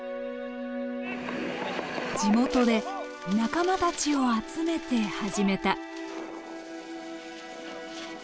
地元で仲間たちを集めて始めた。